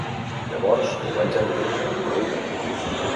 Llavors ho vaig entendre prou bé.